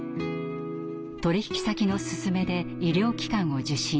取引先のすすめで医療機関を受診。